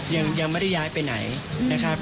ยังไม่ได้ย้ายไปไหนนะครับ